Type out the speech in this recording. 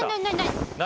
何？